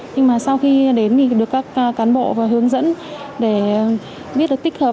nhưng mà sau khi đến thì được các cán bộ và hướng dẫn để biết được tích hợp